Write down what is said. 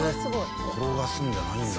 転がすんじゃないんだ。